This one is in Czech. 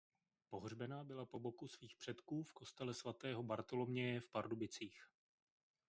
Pohřbena byla po boku svých předků v kostele svatého Bartoloměje v Pardubicích.